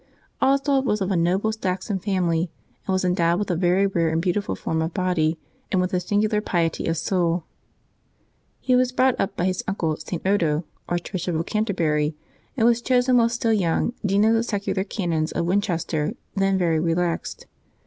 OSWALD was of a noble Saxon family, and was endowed with a very rare and beautiful form of body and with a singular piety of soul. He was brought up by his uncle, St. Odo, Archbishop of Canterbury, and was chosen, while still young, dean of the secular canons of Winchester, then very relaxed.